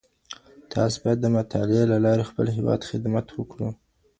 تاسو بايد د مطالعې له لاري د خپل هېواد خدمت وکړو.